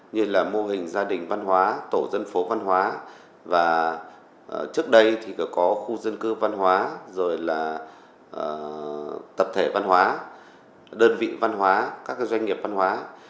như là mô hình gia đình văn hóa tổ dân phố văn hóa trước đây có khu dân cư văn hóa tập thể văn hóa đơn vị văn hóa các doanh nghiệp văn hóa